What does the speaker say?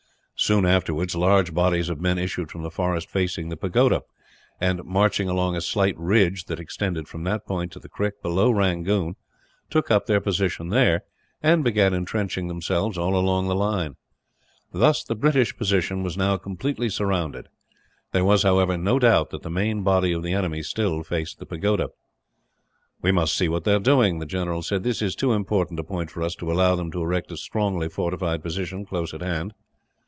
Soon afterwards large bodies of men issued from the forest facing the pagoda and, marching along a slight ridge, that extended from that point to the creek below Rangoon, took up their position there, and began entrenching themselves all along the line. Thus the British position was now completely surrounded; there was, however, no doubt that the main body of the enemy was still facing the pagoda. "We must see what they are doing," the general said. "This is too important a point for us to allow them to erect a strongly fortified position, close at hand."